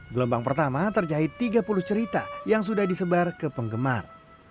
gelombang pertama terjahit tiga puluh cerita yang sudah disebar ke penggemar